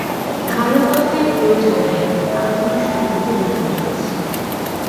ভাল কথায় প্রয়োজন নাই, আমি তোমার সন্দেহ দূর করিতেছি।